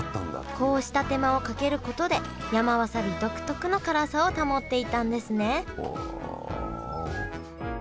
こうした手間をかけることで山わさび独特の辛さを保っていたんですねおお。